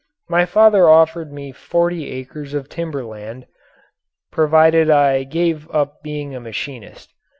My father offered me forty acres of timber land, provided I gave up being a machinist.